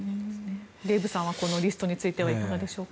デーブさんはこのリストについてはいかがでしょうか。